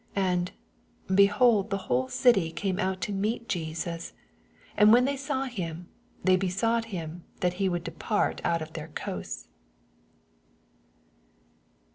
84 And, behold the whole city came out to meet Jesus : and when they saw him they besought him that he would depart out of their coasts.